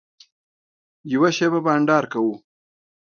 یوه شېبه بنډار کوو.